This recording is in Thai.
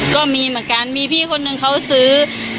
ก็มีเหมือนกันมีพี่คนหนึ่งเขาซื้อ